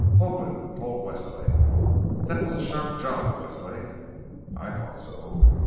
Hoagland told to Westlake, "That was a sharp job, Westlake." "I thought so."